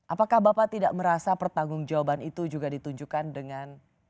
apakah bapak tidak merasa pertanggung jawaban itu juga ditunjukkan dengan